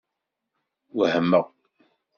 Wehmeɣ.